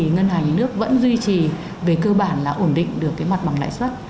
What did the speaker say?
ngân hàng nhà nước vẫn duy trì về cơ bản là ổn định được mặt bằng lãi suất